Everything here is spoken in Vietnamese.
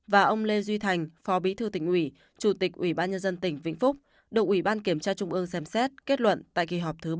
và ông lê duy thành phó bí thư tỉnh ủy chủ tịch ủy ban nhân dân tỉnh vĩnh phúc đồng ủy ban kiểm tra trung ương xem xét kết luận tại kỳ họp thứ ba mươi tám